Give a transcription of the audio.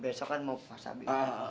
be besok kan mau puasa be